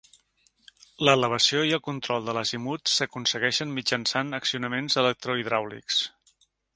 L'elevació i el control de l'azimut s'aconsegueixen mitjançant accionaments electrohidràulics.